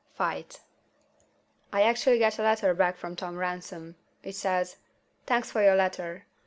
] FIGHT I actually get a letter back from Tom Ransom. It says: "Thanks for your letter.